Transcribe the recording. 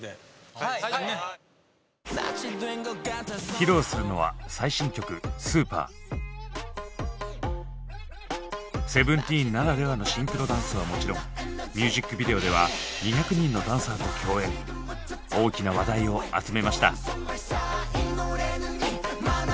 披露するのはＳＥＶＥＮＴＥＥＮならではのシンクロダンスはもちろんミュージックビデオでは大きな話題を集めました。